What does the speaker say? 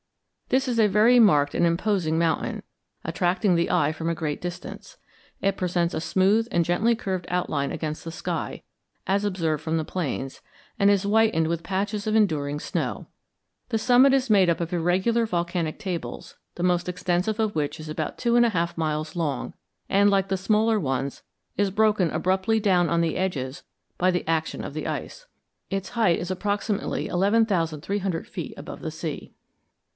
This is a very marked and imposing mountain, attracting the eye from a great distance. It presents a smooth and gently curved outline against the sky, as observed from the plains, and is whitened with patches of enduring snow. The summit is made up of irregular volcanic tables, the most extensive of which is about two and a half miles long, and like the smaller ones is broken abruptly down on the edges by the action of the ice. Its height is approximately eleven thousand three hundred feet above the sea.